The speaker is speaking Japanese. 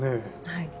はい。